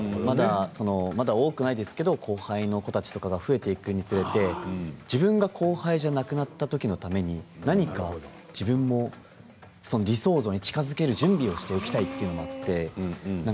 まだ多くないですけど後輩の子たちが増えていくにしたがって自分が後輩じゃなくなった時のために自分が理想像に近づける準備をしておきたいと思って。